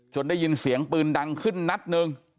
ได้ยินเสียงปืนดังขึ้นนัดหนึ่ง